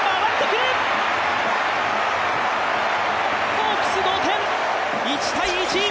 ホークス同点、１−１。